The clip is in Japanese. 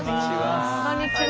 こんにちは。